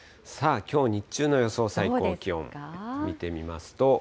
さあ、きょう日中の予想最高気温見てみますと。